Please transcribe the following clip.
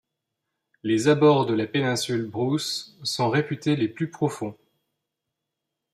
Les abords de la péninsule Bruce sont réputés les plus profonds.